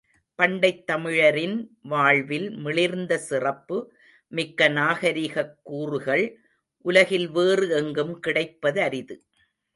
பண்டைத் தமிழரின் வாழ்வில் மிளிர்ந்த சிறப்பு மிக்க நாகரிகக் கூறுகள் உலகில் வேறு எங்கும் கிடைப்பதரிது.